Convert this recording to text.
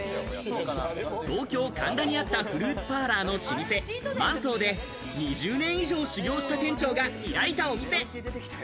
東京・神田にあったフルーツパーラーの老舗・万惣で、２０年以上修業した店長が開いたお店。